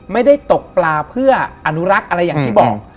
ไม่ได้ตกปลาเพื่ออนุรักษ์อะไรอย่างที่บอก